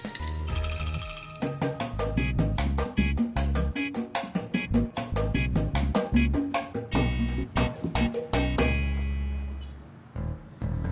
dia bilang mungkin bajigur yang ngejualan